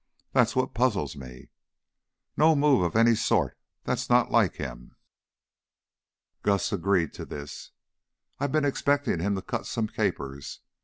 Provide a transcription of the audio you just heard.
That's what puzzles me. No move of any sort That's not like him." Gus agreed to this. "I been expectin' him to cut some capers.